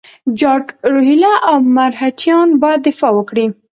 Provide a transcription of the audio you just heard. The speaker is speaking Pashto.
جاټ، روهیله او مرهټیان باید دفاع وکړي.